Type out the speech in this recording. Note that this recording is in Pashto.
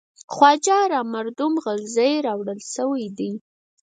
خواجه را مردم غلزی راوړل شوی دی.